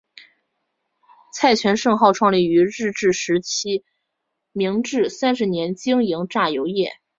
蔡泉盛号创立于日治时期明治三十年经营榨油业。